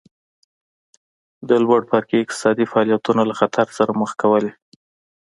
د لوړ پاړکي اقتصادي فعالیتونه له خطر سره مخ کولې